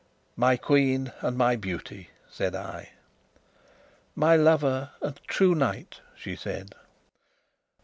"My queen and my beauty!" said I. "My lover and true knight!" she said.